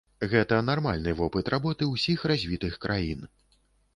Гэта нармальны вопыт работы ўсіх развітых краін.